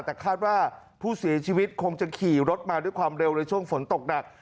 แต่คาดว่าผู้เสียชีวิตคงจะขี่รถมาด้วยความเร็วในช่วงฝนตกหนัก